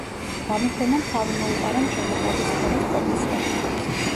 გამოფენამ თავი მოუყარა მშენებლობის სფეროს პროფესიონალებს.